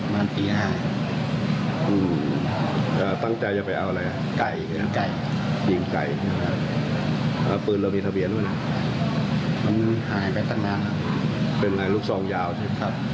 มันเห็นแบบใกล้มันขามอยู่ตรงนั้นไง